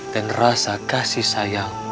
dan rasa kasih sayang